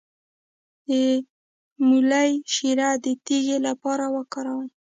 د مولی شیره د تیږې لپاره وکاروئ